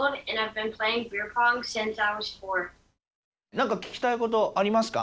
なんか聞きたいことありますか？